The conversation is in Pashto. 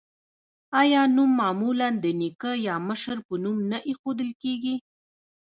آیا نوم معمولا د نیکه یا مشر په نوم نه ایښودل کیږي؟